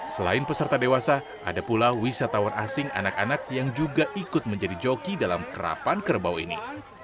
selain peserta dewasa ada pula wisatawan asing anak anak yang juga ikut menjadi joki dalam kerapan kerbau ini